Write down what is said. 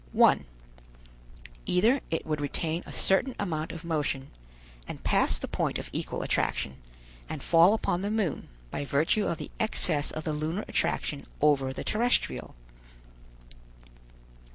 1. Either it would retain a certain amount of motion, and pass the point of equal attraction, and fall upon the moon by virtue of the excess of the lunar attraction over the terrestrial.